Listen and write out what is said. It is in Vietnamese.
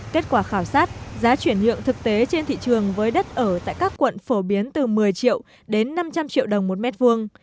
kết quả khảo sát giá chuyển nhượng thực tế trên thị trường với đất ở tại các quận phổ biến từ một mươi triệu đến năm trăm linh triệu đồng một mét vuông